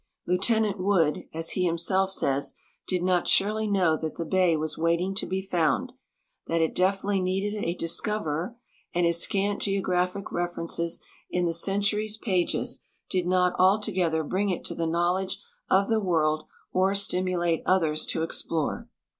Lieutenant Wood, as he himself says, did not surely know that the bay was waiting to be found; that it definitely needed a discoverer, and his scant geographic references in the Century's pages did not altogether bring it to the knowledge of the world or stimulate others to explore.